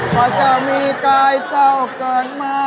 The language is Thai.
พระเจ้ามีกายเจ้าเกิดมา